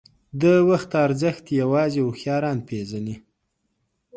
• د وخت ارزښت یوازې هوښیاران پېژني.